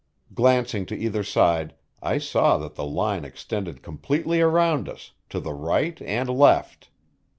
Glancing to either side I saw that the line extended completely around us, to the right and left.